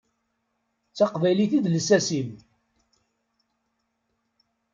D taqbaylit i d lsas-im.